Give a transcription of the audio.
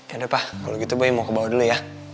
yaudah pa kalo gitu boy mau ke bawah dulu ya